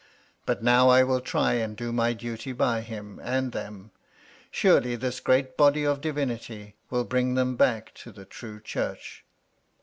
But now I will try and do my duty by him and them. Surely, this great body of divinity will bring them back to the true church."